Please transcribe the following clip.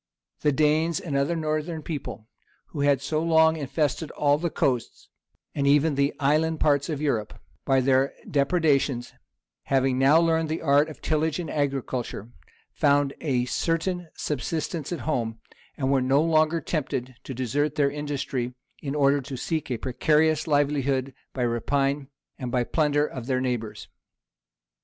The Danes and other northern people, who had so long infested all the coasts, and even the island parts of Europe, by their depredations, having now learned the arts of tillage and agriculture, found a certain subsistence at home, and were no longer tempted to desert their industry, in order to seek a precarious livelihood by rapine and by the plunder of their neighbors.